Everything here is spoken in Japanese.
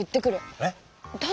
えっ？